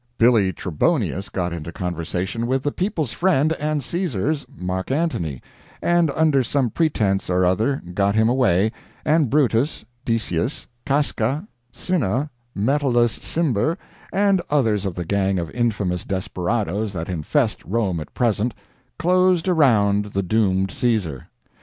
Billy Trebonius got into conversation with the people's friend and Caesar's Mark Antony and under some pretense or other got him away, and Brutus, Decius, Casca, Cinna, Metellus Cimber, and others of the gang of infamous desperadoes that infest Rome at present, closed around the doomed Caesar.